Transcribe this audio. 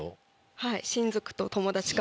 はい。